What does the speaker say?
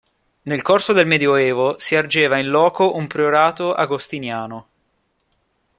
Nel corso del Medioevo si ergeva in loco un priorato agostiniano.